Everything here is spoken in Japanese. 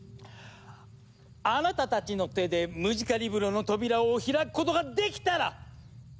あなたたちの手でムジカリブロの扉を開くことができたら！